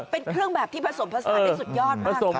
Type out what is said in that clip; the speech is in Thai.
เป็นเครื่องแบบที่ผสมผสานได้สุดยอดมาก